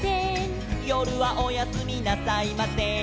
「よるはおやすみなさいません」